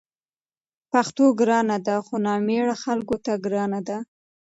پښتو ګرانه ده؛ خو نامېړه خلکو ته ګرانه ده